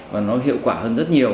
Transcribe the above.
và hiệu quả hơn rất nhiều